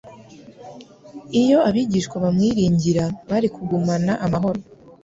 Iyo abigishwa bamwiringira, bari kugumana amahoro.